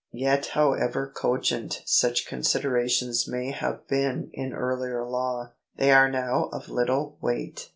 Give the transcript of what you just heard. Yet however cogent such considerations may have been in earlier law, they are now of little weight.